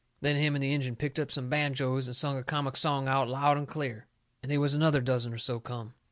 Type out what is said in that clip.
Then him and the Injun picked up some banjoes and sung a comic song out loud and clear. And they was another dozen or so come.